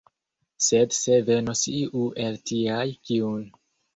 Sed se venos iu el tiaj, kiun.